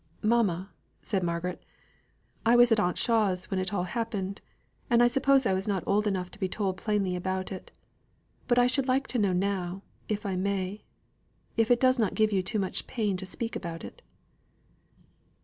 "Mamma," said Margaret, "I was at Aunt Shaw's when it all happened; and I suppose I was not old enough to be told plainly about it. But I should like to know now, if I may if it does not give you too much pain to speak about it."